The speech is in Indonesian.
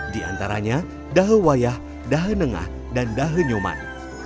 di antaranya dahe wayah dahe nengah dan dahe nyoman